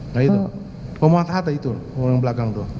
nah itu pak muhammad hatta itu orang belakang itu